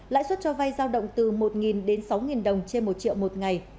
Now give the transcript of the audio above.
lãi suất cho vay giao động từ một đến sáu đồng trên một triệu một ngày